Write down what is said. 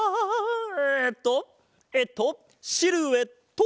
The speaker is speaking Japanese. えっとえっとシルエット！